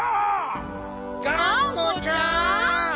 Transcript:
がんこちゃん！